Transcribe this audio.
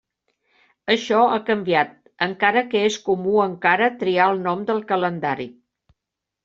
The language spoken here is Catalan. Això ha canviat, encara que és comú encara triar el nom del calendari.